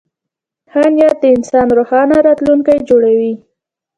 ښه نیت د انسان روښانه راتلونکی جوړوي.